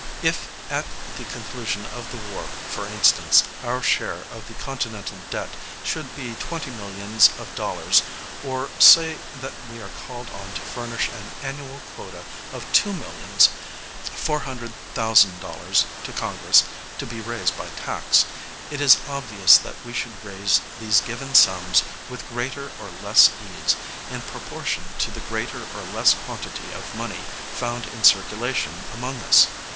If, at the conclusion of the war, for instance, our share of the Continental debt should be twenty millions of dollars, or say that we are called on to furnish an annual quota of two millions four hundred thousand dollars, to Congress, to be raised by tax, it is obvious that we should raise these given sums with greater or less ease, in proportion to the greater or less quantity of money found in circulation among us.